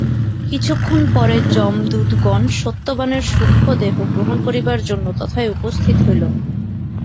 কিছুক্ষণ পরে যমদূতগণ সত্যবানের সূক্ষ্ম দেহ গ্রহণ করিবার জন্য তথায় উপস্থিত হইল।